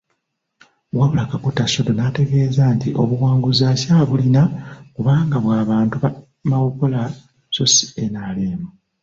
Wabula Kaguta Sodo n'ategeeza nti obuwanguzi akyabulina kubanga bw'abantu ba Mawogola so si NRM.